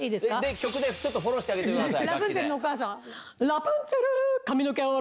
曲でフォローしてあげてください。